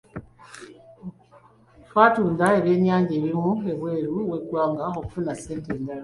Twatunda ebyennyanja ebimu ebweru w'eggwanga okufuna ssente endala.